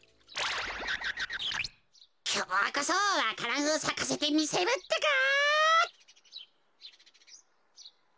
きょうこそわか蘭をさかせてみせるってか。